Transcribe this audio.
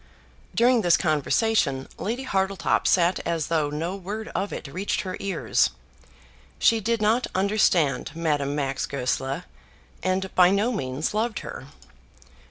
During this conversation Lady Hartletop sat as though no word of it reached her ears. She did not understand Madame Max Goesler, and by no means loved her.